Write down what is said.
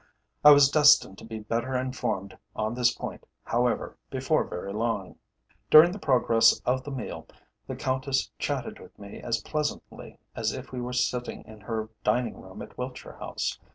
I was destined to be better informed on this point, however, before very long. During the progress of the meal the Countess chatted with me as pleasantly as if we were sitting in her dining room at Wiltshire House.